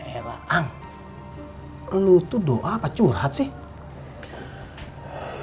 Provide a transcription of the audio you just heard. eh ang lu tuh doa apa curhat sih